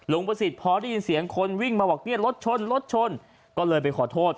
ลุงประสิทธิ์พอได้ยินเสียงคนวิ่งมาบอกรถชนก็เลยไปขอโทษ